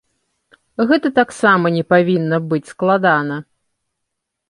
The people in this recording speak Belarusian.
Гэта таксама не павінна быць складана.